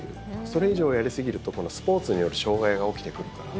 それ以上やりすぎると今度、スポーツによる障害が起きてくるから。